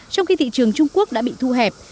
trong khi thị trường trung quốc đã bị thu hẹp